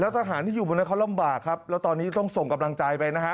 ทหารที่อยู่บนนั้นเขาลำบากครับแล้วตอนนี้ต้องส่งกำลังใจไปนะฮะ